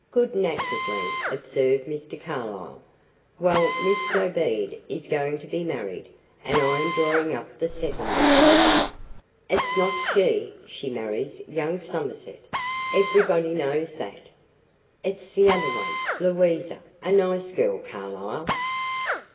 good naturedly observed Mr. Carlyle. "Well, Miss Dobede is going to be married, and I am drawing up the settlements." "It's not she; she marries young Somerset; everybody knows that. It's the other one, Louisa. A nice girl, Carlyle."